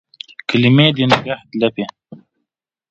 کلمې د نګهت لپې